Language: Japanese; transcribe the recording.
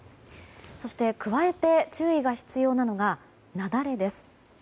そして、加えて注意が必要なのが雪崩です。